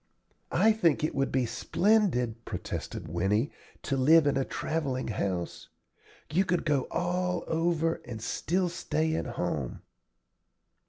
"I think it would be splendid," protested Winnie, "to live in a travelling house. You could go all over and still stay at home."